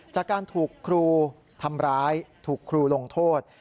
จากการถูกครูทำร้ายถูกครูลงโทษ